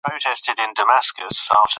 ایا ته آنلاین ویډیوګانې ګورې؟